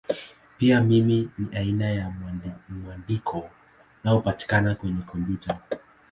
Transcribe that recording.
Pia ni aina ya mwandiko unaopatikana kwenye kompyuta.